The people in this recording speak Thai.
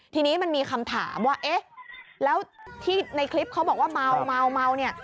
ทีนี้มันมีคำถามว่าเอ๊ะแล้วที่ในคลิปเขาบอกว่าเมาเนี่ย